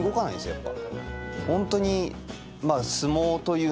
やっぱ。